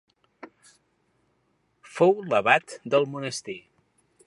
Fou l'abat del monestir.